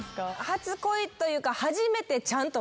初恋というか。